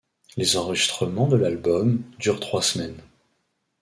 Les enregistrements de l'album ' durent trois semaines.